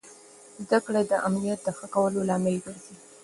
زده کړه د امنیت د ښه کولو لامل ګرځي.